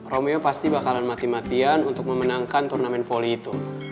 romeo pasti bakalan mati matian untuk memenangkan turnamen volley itu